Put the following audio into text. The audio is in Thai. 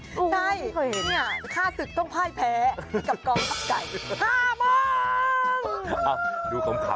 ใช่เนี่ยค่าศึกต้องพ่ายแพ้กับกองทัพไก่๕๐๐๐